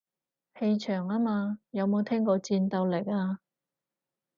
氣場吖嘛，有冇聽過戰鬥力啊